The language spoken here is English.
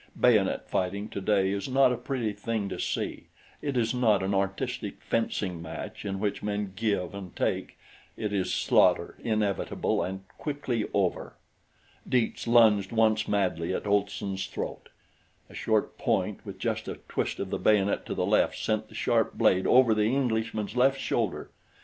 Bayonet fighting today is not a pretty thing to see it is not an artistic fencing match in which men give and take it is slaughter inevitable and quickly over. Dietz lunged once madly at Olson's throat. A short point, with just a twist of the bayonet to the left sent the sharp blade over the Englishman's left shoulder.